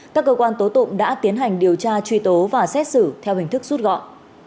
các cơ quan tố tụng đã tiến hành điều tra truy tố và xét xử theo hình thức rút gọn